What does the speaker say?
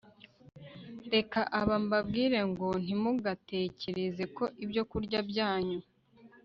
Reka aba mbabwire ngo Ntimugatekereze ko ibyokurya byanyu